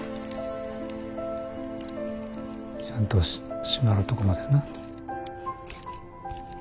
ちゃんと締まるとこまでな。